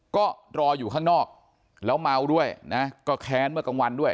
ก็รออยู่ข้างนอกแล้วเมาด้วยนะก็แค้นเมื่อกลางวันด้วย